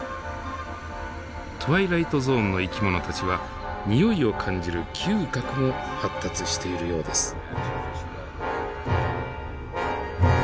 トワイライトゾーンの生き物たちはにおいを感じる嗅覚も発達しているようです。